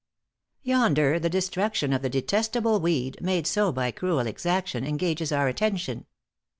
"Yonder, the destruction of the detestable weed, made so by cruel exaction, engages our attention.